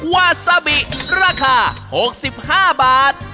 วาซาบิราคา๖๕บาท